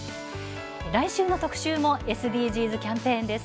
来週の特集もＳＤＧｓキャンペーンです。